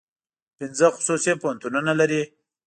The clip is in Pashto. پنځه خصوصي پوهنتونونه لري.